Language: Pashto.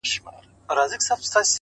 o د رڼاگانو شيسمحل کي به دي ياده لرم،